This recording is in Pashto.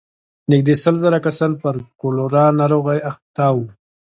نږدې سل زره کسان پر کولرا ناروغۍ اخته وو.